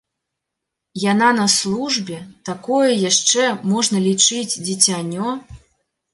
Яна на службе, такое яшчэ, можна лічыць, дзіцянё?